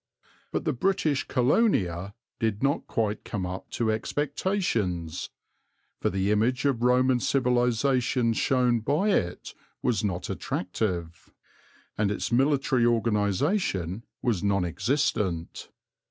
But the English Colonia did not quite come up to expectations, for the image of Roman civilization shown by it was not attractive, and its military organization was non existent.